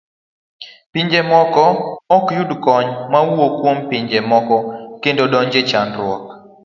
Pinje moko ok yud kony mawuok kuom pinje moko kendo donje chandruok.